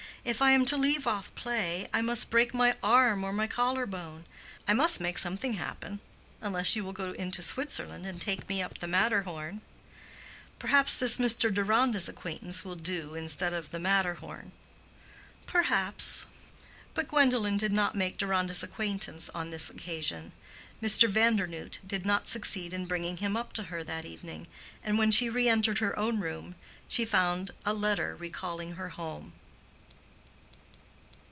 If I am to leave off play I must break my arm or my collar bone. I must make something happen; unless you will go into Switzerland and take me up the Matterhorn." "Perhaps this Mr. Deronda's acquaintance will do instead of the Matterhorn." "Perhaps." But Gwendolen did not make Deronda's acquaintance on this occasion. Mr. Vandernoodt did not succeed in bringing him up to her that evening, and when she re entered her own room she found a letter recalling her home.